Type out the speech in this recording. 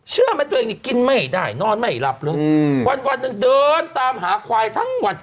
เชื่อไหมตัวเองนี่กินไม่ได้นอนไม่หลับเลยวันหนึ่งเดินตามหาควายทั้งวัน